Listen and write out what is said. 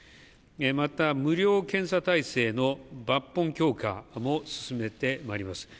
また、無料検査体制の抜本強化も進めてまいります。